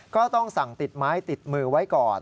ก็ต้องสั่งติดไม้ติดมือไว้ก่อน